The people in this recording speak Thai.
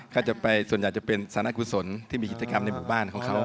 ก็จะไปส่วนใหญ่จะเป็นสารกุศลที่มีกิจกรรมในหมู่บ้านของเขา